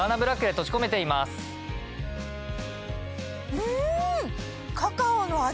うん！